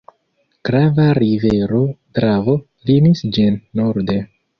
Grava rivero Dravo limis ĝin norde.